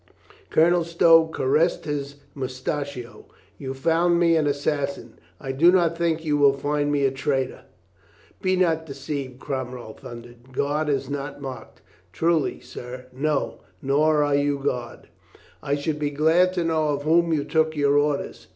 Colonel Stow caressed his moustachio. "You found me an assassin, I do not think you will find me a traitor." "Be not deceived !" Cromwell thundered. "God is not mocked." "Truly, sir, no. Nor are you God." 402 COLONEL GREATHEART "I should be glad to know of whom you took your orders?"